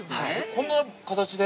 ◆こんな形で？